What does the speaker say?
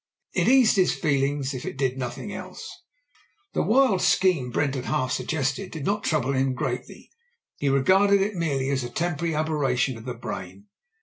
It eased his feelings, if it did nothing else. The wild scheme Brent had half suggested did not trouble him greatly. He regarded it merely as a tem porary aberration of the brain.